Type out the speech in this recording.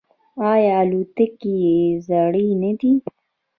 آیا الوتکې یې زړې نه دي؟